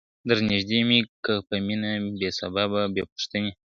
در نیژدې می که په مینه بې سببه بې پوښتنی ,